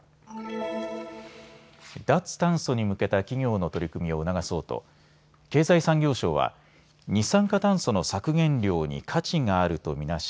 脱炭素に向けた企業の取り組みを促そうと経済産業省は二酸化炭素の削減量に価値があるとみなし